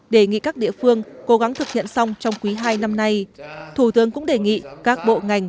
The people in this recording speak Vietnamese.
đề nghị các địa phương cố gắng thực hiện xong trong quý hai năm nay thủ tướng cũng đề nghị các bộ ngành